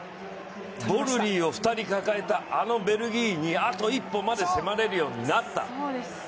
ボルリーを２人抱えたベルギーにあと一歩まで迫れるようになった。